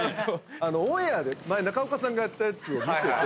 オンエアで前中岡さんがやったやつを見てて。